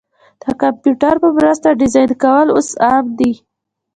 د کمپیوټر په مرسته ډیزاین کول اوس عام دي.